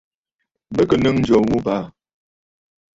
Bɨ kɨ̀ nɨ̌ŋ ǹjò ghu abàà.